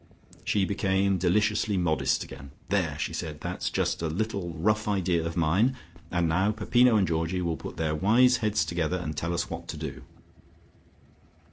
She became deliciously modest again. "There!" she said. "That's just a little rough idea of mine and now Peppino and Georgie will put their wise heads together, and tell us what to do."